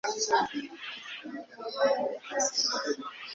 nibyiza